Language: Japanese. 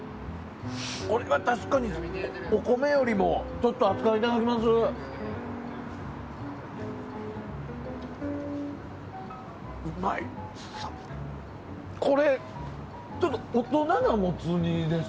これは確かにお米よりもちょっと熱燗いただきます。